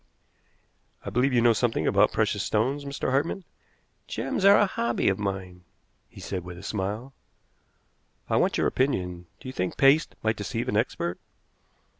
"I believe you know something about precious stones, Mr. Hartmann?" "Gems are a hobby of mine," he said with a smile. "I want your opinion. Do you think paste might deceive an expert?"